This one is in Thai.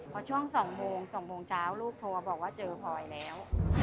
พอช่วง๒โมง๒โมงเช้าลูกโทรมาบอกว่าเจอพลอยแล้ว